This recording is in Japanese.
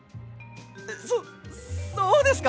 そっそうですか？